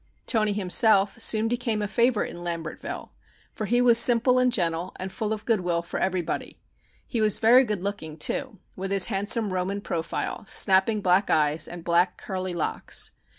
Toni himself soon became a favorite in Lambertville, for he was simple and gentle, and full of good will for everybody. He was very good looking, too, with his handsome Roman profile, snapping black eyes and black curly locks.